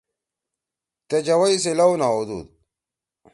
تے جوَئی سی لؤ نہ ہؤدُود۔